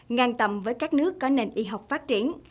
ngang tầm với các nước có nền y học phát triển